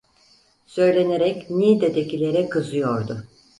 Söylenerek Niğde'dekilere kızıyordu.